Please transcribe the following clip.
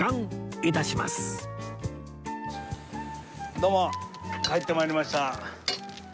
どうも帰ってまいりました。